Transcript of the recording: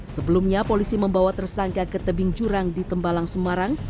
sebelumnya polisi membawa tersangka ke tebing jurang di tembalang semarang